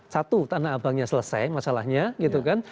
satu tanah abangnya selesai masalahnya gitu kan